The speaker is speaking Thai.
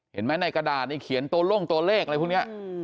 เห็นไหมในกระดาษนี่เขียนตัวลงตัวเลขอะไรพวกนี้